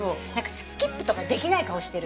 スキップとかできない顔してる。